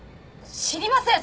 知りません！